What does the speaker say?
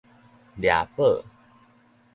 掠寶